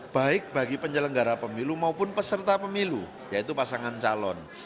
baik bagi penyelenggara pemilu maupun peserta pemilu yaitu pasangan calon